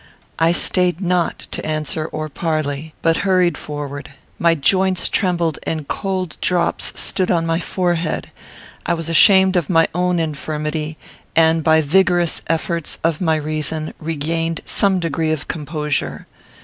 I stayed not to answer or parley, but hurried forward. My joints trembled, and cold drops stood on my forehead. I was ashamed of my own infirmity; and, by vigorous efforts of my reason, regained some degree of composure.